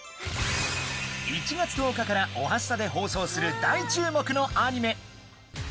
１月１０日から『おはスタ』で放送する大注目のアニメ。